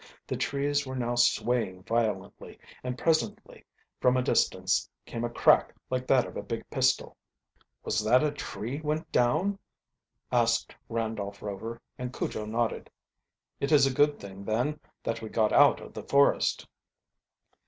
The trees were now swaying violently, and presently from a distance came a crack like that of a big pistol. "Was that a tree went down?" asked Randolph Rover, and Cujo nodded. "It is a good thing, then, that we got out of the forest."